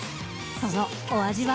そのお味は。